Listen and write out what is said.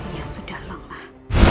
ia sudah lengah